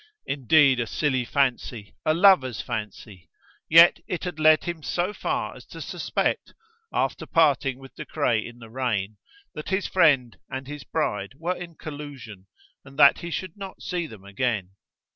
Indeed a silly fancy, a lover's fancy! yet it had led him so far as to suspect, after parting with De Craye in the rain, that his friend and his bride were in collusion, and that he should not see them again.